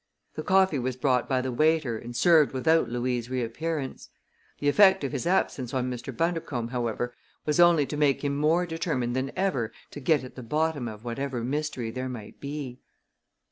The coffee was brought by the waiter and served without Louis' reappearance. The effect of his absence on Mr. Bundercombe, however, was only to make him more determined than ever to get at the bottom of whatever mystery there might be.